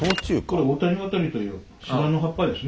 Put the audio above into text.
オオタニワタリという島の葉っぱですね。